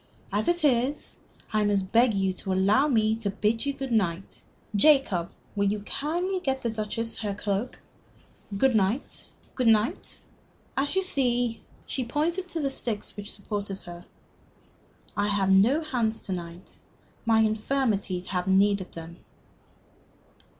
As it is, I must beg you to allow me to bid you good night. Jacob, will you kindly get the Duchess her cloak? Good night. Good night. As you see" she pointed to the sticks which supported her "I have no hands to night. My infirmities have need of them."